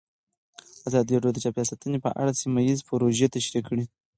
ازادي راډیو د چاپیریال ساتنه په اړه سیمه ییزې پروژې تشریح کړې.